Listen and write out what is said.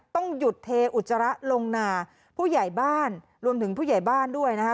ต้องหยุดเทอุจจาระลงนาผู้ใหญ่บ้านรวมถึงผู้ใหญ่บ้านด้วยนะคะ